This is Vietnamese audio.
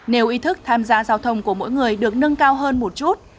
nếu ý thức tham gia giao thông của mỗi người được nâng cao hơn một chút